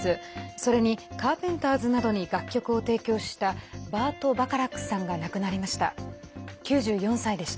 それにカーペンターズなどに楽曲を提供したバート・バカラックさんが亡くなりました。